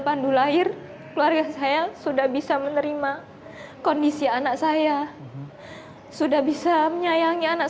pandu lahir keluarga saya sudah bisa menerima kondisi anak saya sudah bisa menyayangi anak